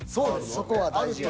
そこは大事。